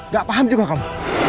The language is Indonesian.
gak paham juga kamu